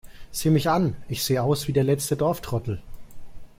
Sieh mich an, ich sehe aus wie der letzte Dorftrottel!